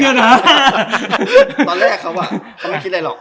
ตอนแรกเขาไม่คิดอะไรหรอก